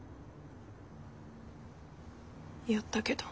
やったけど。